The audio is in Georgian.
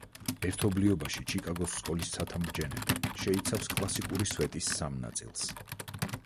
ერთობლიობაში, ჩიკაგოს სკოლის ცათამბჯენები შეიცავს კლასიკური სვეტის სამ ნაწილს.